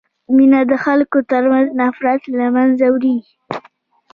مینه د خلکو ترمنځ نفرت له منځه وړي.